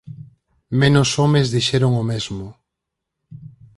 Menos homes dixeron o mesmo.